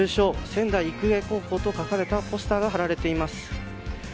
仙台育英高校と書かれたポスターが貼られています。